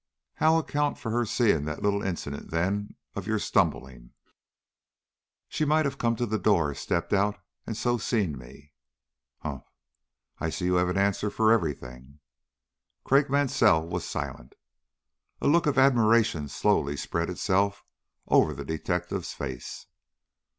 "How account for her seeing that little incident, then, of your stumbling?" "She might have come to the door, stepped out, and so seen me." "Humph! I see you have an answer for every thing." Craik Mansell was silent. A look of admiration slowly spread itself over the detective's face.